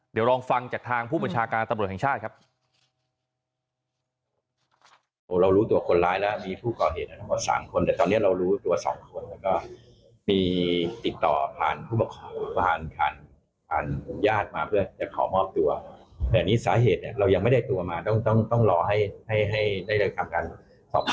เดี๋ยวลองฟังจากทางผู้บัญชาการตำรวจแห่งชาติครับ